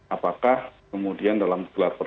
apakah kemudian dalam